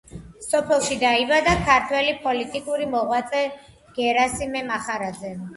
სოფელში დაიბადა ქართველი პოლიტიკური მოღვაწე გერასიმე მახარაძე.